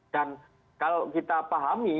dan kalau kita pahami